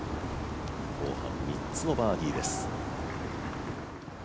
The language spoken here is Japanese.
後半、３つのバーディーです。